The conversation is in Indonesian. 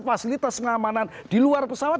fasilitas pengamanan di luar pesawat